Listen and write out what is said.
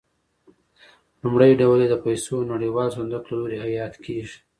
لومړی ډول یې د پیسو نړیوال صندوق له لوري حیات کېږي.